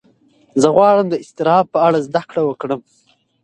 زه غواړم د اضطراب په اړه زده کړه وکړم.